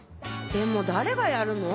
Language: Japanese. でも誰がやるの？